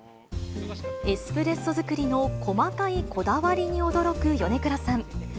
エスプレッソ作りの細かいこだわりに驚く米倉さん。